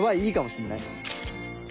いいかもしんない。